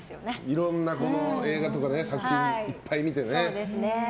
いろんな映画とか作品いっぱい見てね。